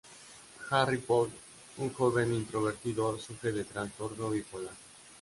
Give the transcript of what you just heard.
Harry Poole, un joven introvertido, sufre de trastorno bipolar.